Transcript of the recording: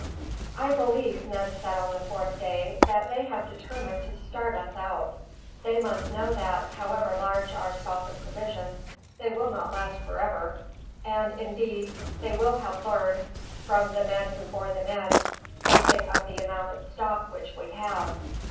"I believe," Ned said on the fourth day, "that they have determined to starve us out. They must know that, however large our stock of provisions, they will not last forever; and indeed they will have learned, from the men who bore them in, something of the amount of stock which we have.